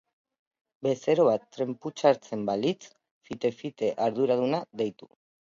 Bezero bat trenputxartzen balitz, fite-fite arduraduna deitu.